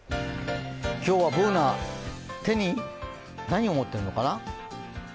今日はＢｏｏｎａ、手に何を持っているのかな？